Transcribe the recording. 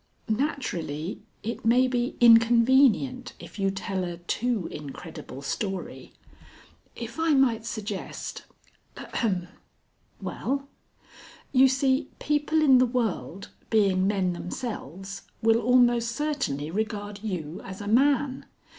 Naturally it may be inconvenient if you tell a too incredible story. If I might suggest (ahem) ." "Well?" "You see, people in the world, being men themselves, will almost certainly regard you as a man.